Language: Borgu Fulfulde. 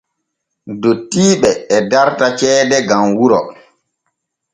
Dottiiɓe e darta ceede gam wuro.